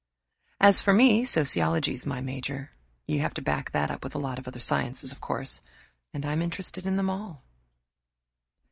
As for me, sociology's my major. You have to back that up with a lot of other sciences, of course. I'm interested in them all.